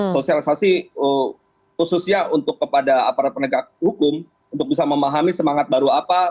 sosialisasi khususnya untuk kepada aparat penegak hukum untuk bisa memahami semangat baru apa